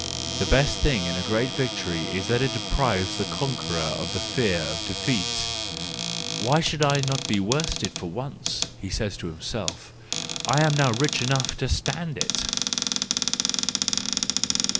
—The best thing in a great victory is that it deprives the conqueror of the fear of defeat. "Why should I not be worsted for once ?" he says to himself, " I am now rich enough to stand it."